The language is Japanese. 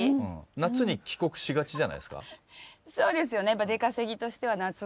夏に帰国しがちじゃないですか？